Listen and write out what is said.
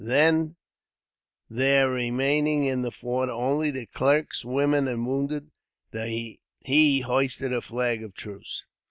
Then, there remaining in the fort only the clerks, women, and wounded, he hoisted a flag of truce.